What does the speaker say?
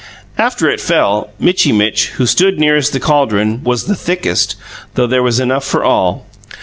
After it fell, Mitchy Mitch, who stood nearest the caldron, was the thickest, though there was enough for all.